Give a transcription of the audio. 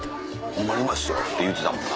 うまいっすよって言うてたもんな。